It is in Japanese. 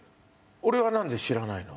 俺はなんで知らないの？